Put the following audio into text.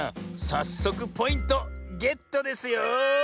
さっそくポイントゲットですよ。